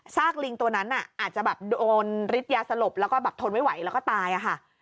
ซากลิงตัวนั้นอาจจะโดนริดยาสลบแล้วก็ทนไม่ไหวแล้วก็ตายค่ะ